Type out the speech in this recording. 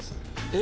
え？